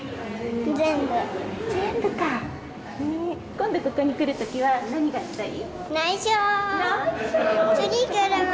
今度ここに来る時は何がしたい？